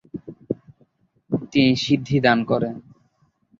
তিনি সিদ্ধি দান করেন।